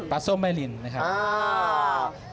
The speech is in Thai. ส้มแม่ลินนะครับ